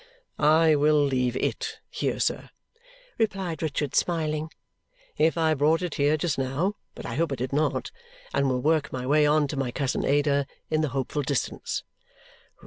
"I will leave IT here, sir," replied Richard smiling, "if I brought it here just now (but I hope I did not), and will work my way on to my cousin Ada in the hopeful distance."